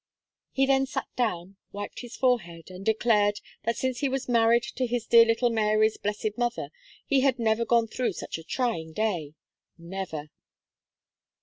He then sat down, wiped his forehead, and declared, that since he was married to his dear little Mary's blessed mother, he had never gone through such a trying day never.